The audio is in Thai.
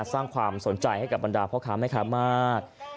สร้างความสนใจให้กับบรรดาพ่อค้าแม่ค้ามาก